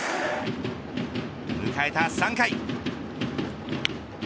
迎えた３回。